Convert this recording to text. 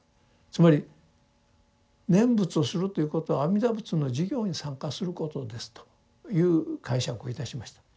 つまり念仏をするということは阿弥陀仏の事業に参加することですという解釈をいたしました。